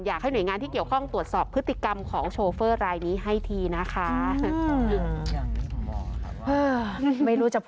ยังไงต่อเลยอยากจะไหว้สัก๑๐กว่ารอบ